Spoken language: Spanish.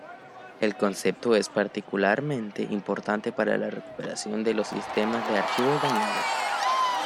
El concepto es particularmente importante para la recuperación de los sistemas de archivos dañados.